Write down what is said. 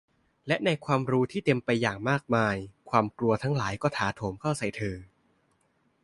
และในความรู้ที่เต็มไปอย่างมากมาย ความกลัวทั้งหลายก็ถาโถมเข้าใส่เธอ